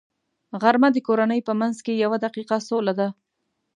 غرمه د کورنۍ په منځ کې یوه دقیقه سوله ده